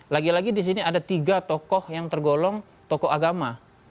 lagi lagi di sini ada tiga tokoh yang tergolong tokoh agama